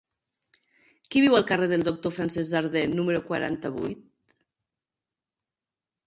Qui viu al carrer del Doctor Francesc Darder número quaranta-vuit?